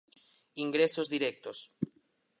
Ingresos directos.